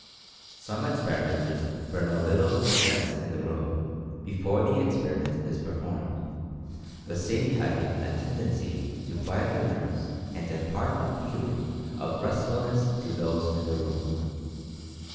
Some experimenters burn a little incense in the room before the experiment is performed, the same having a tendency to quiet the nerves and impart a feeling of restfulness to those in the room.